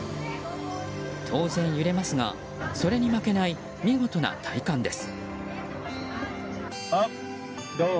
当然、揺れますがそれに負けない見事な体幹です。